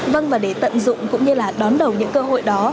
vâng và để tận dụng cũng như là đón đầu những cơ hội đó